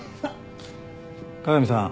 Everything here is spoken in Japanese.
加賀美さん